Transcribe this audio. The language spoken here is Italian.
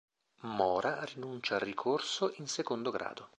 Mora rinuncia al ricorso in secondo grado.